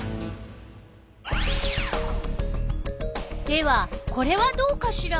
ではこれはどうかしら？